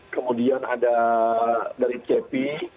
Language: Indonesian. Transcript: kemudian ada dari cp